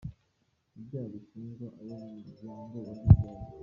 Ibyaha bishinjwa abo mu muryango wa Rwigara